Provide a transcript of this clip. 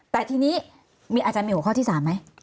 แต่ทีนี้มีอาจารย์มีหัวข้อที่๓ไหม